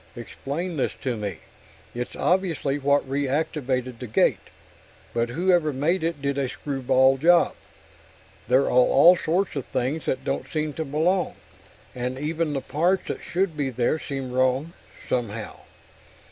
"Explain this to me. It's obviously what reactivated the gate but whoever made it did a screwball job. There are all sorts of things that don't seem to belong, and even the parts that should be there seem wrong, somehow...."